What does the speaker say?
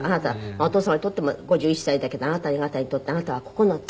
お父様にとっても５１歳だけどあなた方にとってはあなたは９つ？